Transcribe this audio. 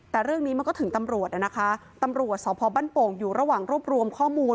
แต่เรื่องนี้มันก็ถึงตำรวจนะคะตำรวจสพบ้านโป่งอยู่ระหว่างรวบรวมข้อมูล